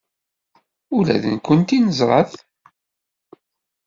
Ula d nekkenti neẓra-t.